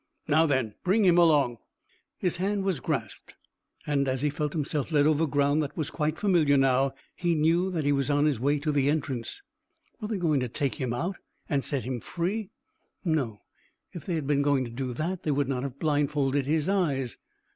"Now, then, bring him along." His hand was grasped, and, as he felt himself led over ground that was quite familiar now, he knew that he was on the way to the entrance. Were they going to take him out, and set him free? No; if they had been going to do that, they would not have blindfolded his eyes.